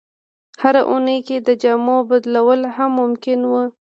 هره اونۍ کې د جامو بدلول هم ممکن وو.